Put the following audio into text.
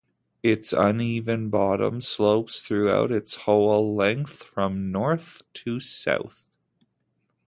Its uneven bottom slopes throughout its whole length from north to south.